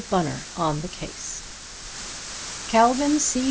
BUNNER ON THE CASE "Calvin C.